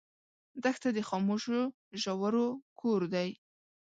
دښته د خاموشو ژورو کور دی.